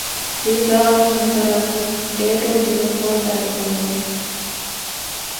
Titiyuawe muinzala khuri, etha otjikomportari tovi?